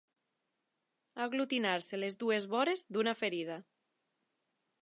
Aglutinar-se les dues vores d'una ferida.